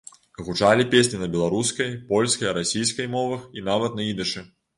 Гучалі песні на беларускай, польскай, расійскай мовах і нават на ідышы.